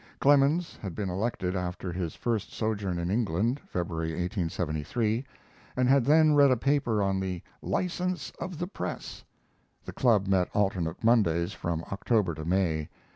Clemens had been elected after his first sojourn in England (February, 1873), and had then read a paper on the "License of the Press." The club met alternate Mondays, from October to May.